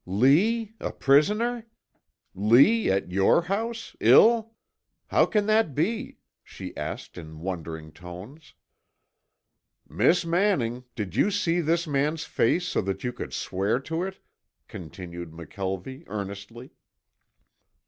"Lee a prisoner? Lee at your house ill? How can that be?" she asked in wondering tones. "Miss Manning, did you see this man's face so that you could swear to it?" continued McKelvie earnestly.